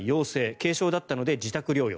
軽症だったので自宅療養。